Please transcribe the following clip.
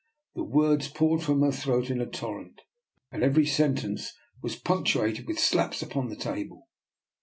The words poured from her throat in a torrent, and every sentence was punctu ated with slaps upon the table.